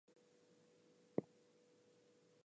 The horns used for this purpose are made of tin.